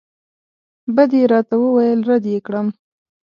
بد یې راته وویل رد یې کړم.